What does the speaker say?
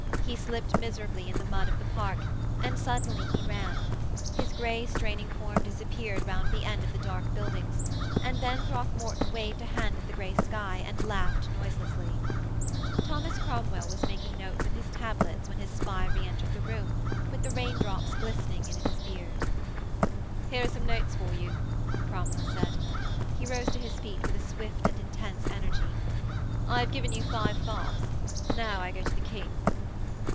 He slipped miserably in the mud of the park, and suddenly he ran. His grey, straining form disappeared round the end of the dark buildings, and then Throckmorton waved a hand at the grey sky and laughed noiselessly. Thomas Cromwell was making notes in his tablets when his spy re entered the room, with the rain drops glistening in his beard. 'Here are some notes for you,' Cromwell said. He rose to his feet with a swift and intense energy. 'I have given you five farms. Now I go to the King.'